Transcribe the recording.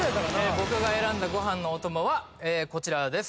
僕が選んだご飯のお供はえっこちらです・